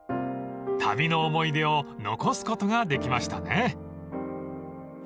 ［旅の思い出を残すことができましたね］